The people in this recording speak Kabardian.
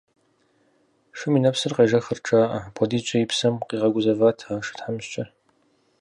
Шым и нэпсыр къежэхырт жаӏэ, апхуэдизкӏэ и псэм къигъэгузэват а шы тхьэмыщкӏэр.